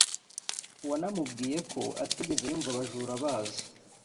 wanamubwiye ko atigeze yumva abajura baza